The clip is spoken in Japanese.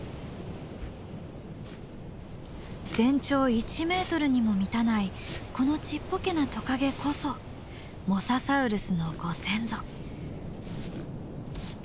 全長１ｍにも満たないこのちっぽけなトカゲこそモササウルスのご先祖。